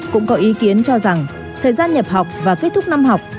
cũng có ý kiến cho rằng thời gian nhập học và kết thúc năm học